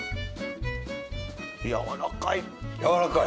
やわらかい？